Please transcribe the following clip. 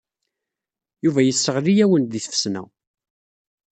Yuba yesseɣli-awen deg tfesna.